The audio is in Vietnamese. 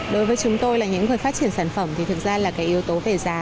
đối với chúng tôi là những người phát triển sản phẩm thì thực ra là cái yếu tố về giá